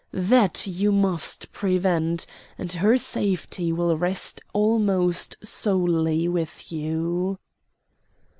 That you must prevent; and her safety will rest almost solely with you."